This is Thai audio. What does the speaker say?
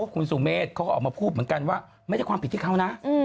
คุณสุเมฆเขาก็ออกมาพูดเหมือนกันว่าไม่ได้ความผิดที่เขานะ